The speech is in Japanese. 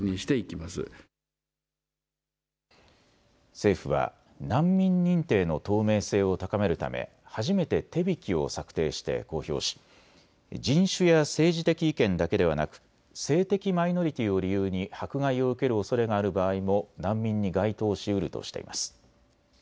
政府は難民認定の透明性を高めるため初めて手引を策定して公表し人種や政治的意見だけではなく性的マイノリティーを理由に迫害を受けるおそれがある場合も難民に該当しうるとしています。